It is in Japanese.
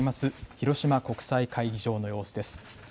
広島国際会議場の様子です。